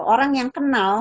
orang yang kenal